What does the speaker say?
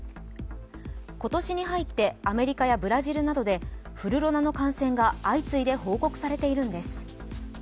今年に入ってアメリカやブラジルなどでフルロナの感染が相次いで報告されているんです。